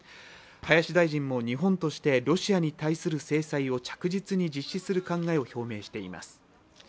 林大臣も日本としてロシアに対する制裁を着実に実施する考えを表明しています。